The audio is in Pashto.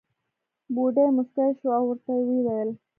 بوډۍ موسکۍ شوه او ورته وې وېل.